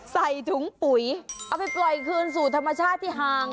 ใส่ถุงปุ๋ยเอาไปปล่อยคืนสู่ธรรมชาติที่ห่าง